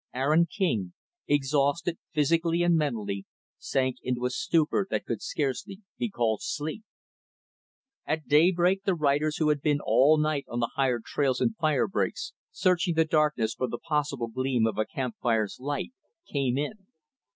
Aaron King, exhausted, physically and mentally, sank into a stupor that could scarcely be called sleep. At daybreak, the riders who had been all night on the higher trails and fire breaks, searching the darkness for the possible gleam of a camp fire's light, came in.